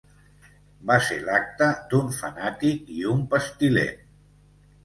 Va ser l'acte d'un fanàtic i un pestilent.